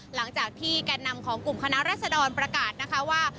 หลังจากที่แก่นำของกลุ่มคณะรัศดรประกาศนะคะว่า